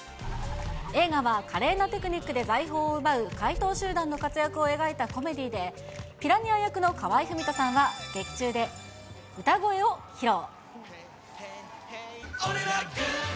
映画は華麗なテクニックで財宝を奪う怪盗集団の活躍を描いたコメディーで、ピラニア役の河合郁人さんは劇中で歌声を披露。